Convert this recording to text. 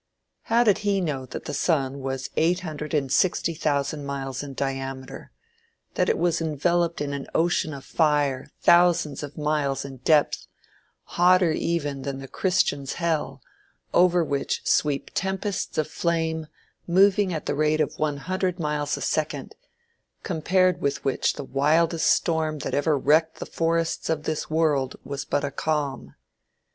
Did he know that the sun was eight hundred and sixty thousand miles in diameter; that it was enveloped in an ocean of fire thousands of miles in depth, hotter even than the christian's hell, over which sweep tempests of flame moving at the rate of one hundred miles a second, compared with which the wildest storm that ever wrecked the forests of this world was but a calm?